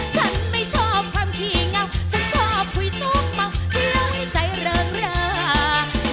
ฉันไม่ชอบคำที่เหงาฉันชอบคุยโชคมากเพื่อให้ใจเริ่มรัก